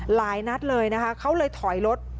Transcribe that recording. หลายนัดเลยนะคะเขาเลยถอยรถ